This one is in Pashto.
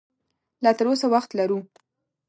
لا تراوسه وخت لرو